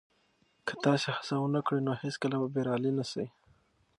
که تاسي هڅه ونه کړئ نو هیڅکله به بریالي نه شئ.